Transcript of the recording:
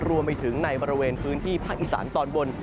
รวมไปถึงในบริเวณพื้นที่ภาคอีสานตอนบน